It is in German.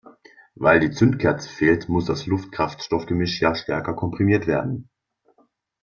Weil die Zündkerze fehlt, muss das Luft-Kraftstoff-Gemisch ja stärker komprimiert werden.